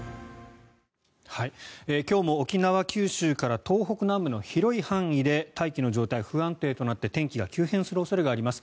今日も沖縄、九州から東北南部の広い範囲で大気の状態が不安定となって天気が急変する恐れがあります。